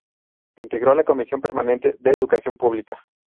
Integró la Comisión Permanente de Educación Pública.